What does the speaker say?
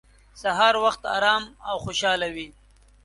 سهار وخت ارام او خوشحاله وي.